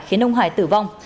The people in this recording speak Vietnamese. khiến ông hải tử vong